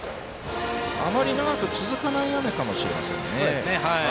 あまり長く続かない雨かもしれませんね。